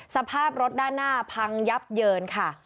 สภาพรถด้านหน้าพังยับเยินค่ะ